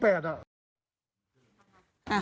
ข้างบนมี๘อ่ะ